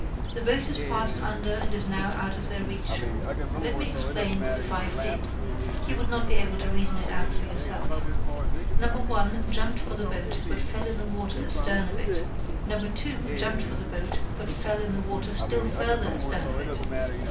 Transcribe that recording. The boat has passed under and is now out of their reach. Let me explain what the five did you would not be able to reason it out for yourself. No. 1 jumped for the boat, but fell in the water astern of it. Then No. 2 jumped for the boat, but fell in the water still farther astern of it.